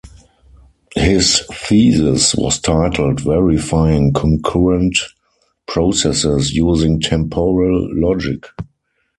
His thesis was titled, "Verifying Concurrent Processes Using Temporal Logic".